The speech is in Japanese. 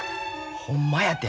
ほんまやて。